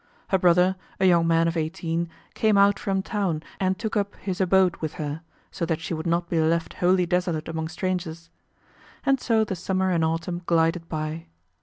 Her brother, a young man of eighteen, came out from town and took up his abode with her, so that she would not be left wholly desolate among strangers. And so the summer and autumn glided by.